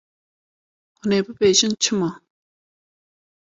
Hûn ê bibêjin çima?